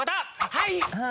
はい！